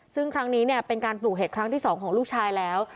ซึ่งครั้งนี้เป็นการปลูกเห็ดครั้งที่๒ของลูกชายแล้ว